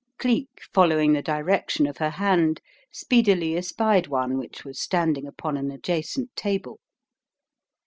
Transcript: Cleek, following the direction of her hand, speedily espied one which was standing upon an adjacent table.